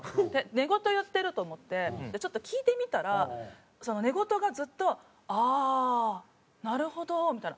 寝言言ってると思ってちょっと聞いてみたらその寝言がずっと「ああなるほど」みたいな。